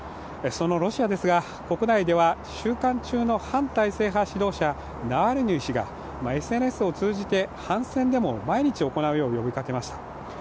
そのロシアですが、国内では収監中の反体制派指導者ナワリヌイ氏がＳＮＳを通じて反戦デモを毎日行うよう呼びかけました。